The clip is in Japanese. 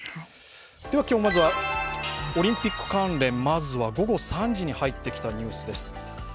今日まずはオリンピック関連、午後３時に入ってきたニュースです。